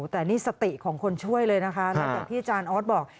แต่นี่สติของคนช่วยเลยนะคะหลังจากพี่จานอ๊อสบอก